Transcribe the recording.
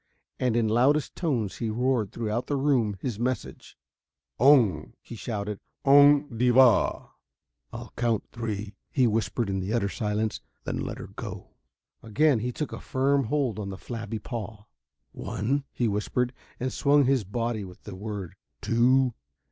And in loudest tones he roared throughout the room his message. "Oong," he shouted, "Oong devah!" "I'll count three," he whispered in the utter silence. "Then let 'er go!" Again he took a firm hold on the flabby paw. "One," he whispered, and swung his body with the word. "Two